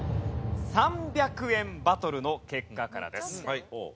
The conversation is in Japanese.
３００円バトルの結果からです。